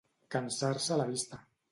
Cansar-se la vista.